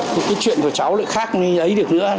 thì cái chuyện của cháu lại khác như giấy được nữa